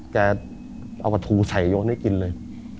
แกเอาปลาทูใส่โยนให้กินเลย